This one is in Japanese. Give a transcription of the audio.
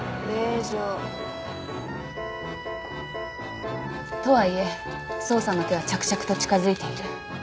令状。とはいえ捜査の手は着々と近づいている。